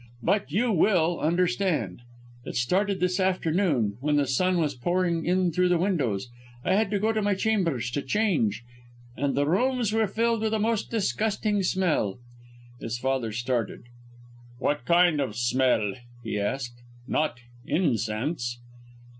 But you will understand. It started this afternoon, when the sun was pouring in through the windows. I had to go to my chambers to change; and the rooms were filled with a most disgusting smell." His father started. "What kind of smell?" he asked. "Not incense?"